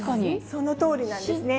そのとおりなんですね。